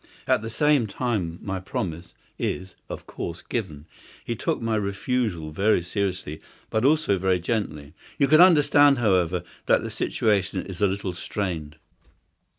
At the same time my promise is, of course, given. He took my refusal very seriously, but also very gently. You can understand, however, that the situation is a little strained."